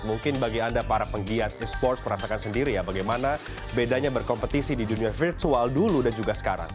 mungkin bagi anda para penggiat esports merasakan sendiri ya bagaimana bedanya berkompetisi di dunia virtual dulu dan juga sekarang